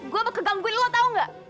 gue bakal kegangguin lo tau gak